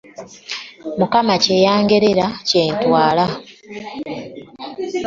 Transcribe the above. Mukama kye yangerera kye ntwala.